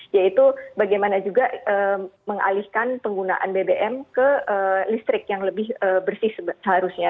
yaitu bagaimana juga mengalihkan penggunaan bbm ke listrik yang lebih bersih seharusnya